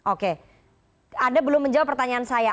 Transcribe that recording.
oke anda belum menjawab pertanyaan saya